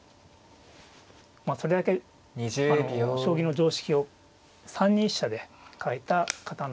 それだけ将棋の常識を３二飛車で変えた方なので。